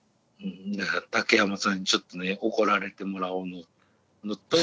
竹山さんにちょっとね怒られてもらおうのと。